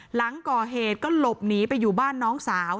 หลังก่อเหตุก็หลบหนีไปอยู่บ้านน้องสาว